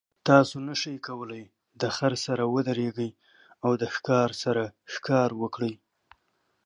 تاسو نشئ کولی د خر سره ودریږئ او د ښکار سره ښکار وکړئ.